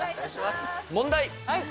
問題。